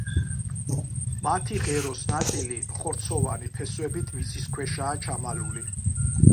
მათი ღეროს ნაწილი ხორცოვანი ფესვებით მიწისქვეშაა ჩამალული.